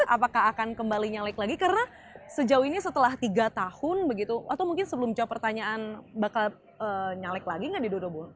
apakah akan kembali nyalek lagi karena sejauh ini setelah tiga tahun begitu atau mungkin sebelum jawab pertanyaan bakal nyalek lagi nggak di dua ribu dua puluh empat